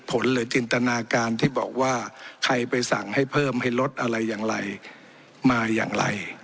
ผลหรือจินตนาการที่บอกว่าใครไปสั่งให้เพิ่มให้ลดอะไรอย่างไรมาอย่างไร